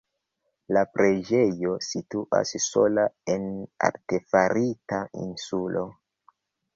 La preĝejo situas sola en artefarita insulo.